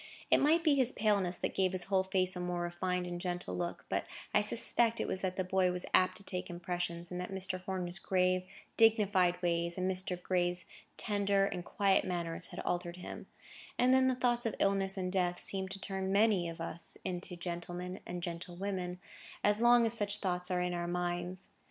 It might be his paleness that gave his whole face a more refined and gentle look; but I suspect it was that the boy was apt to take impressions, and that Mr. Horner's grave, dignified ways, and Mr. Gray's tender and quiet manners, had altered him; and then the thoughts of illness and death seem to turn many of us into gentlemen, and gentlewomen, as long as such thoughts are in our minds.